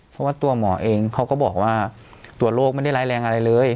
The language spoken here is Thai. เพราะว่าตัวหมอเองเขาก็บอกว่าตัวโรคไม่ได้ร้ายแรงอะไรเลย